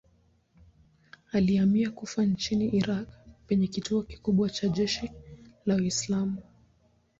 Alihamia Kufa nchini Irak penye kituo kikubwa cha jeshi la Uislamu.